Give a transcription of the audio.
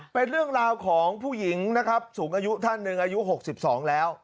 เป็นเรื่องราวของผู้หญิงนะครับสูงอายุท่านหนึ่งอายุ๖๒แล้ว